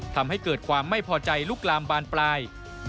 ทำให้เกิดความไม่พอใจลุกลามบานปลาย